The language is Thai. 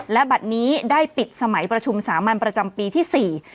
และบัตรนี้ได้ปิดสมัยประชุมสามัญประจำปีที่สี่